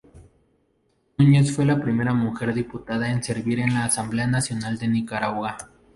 Núñez fue la primera mujer diputada a servir en la Asamblea Nacional de Nicaragua.